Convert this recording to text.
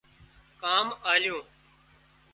ڪام آليون